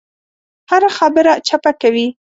هره خبره چپه کوي.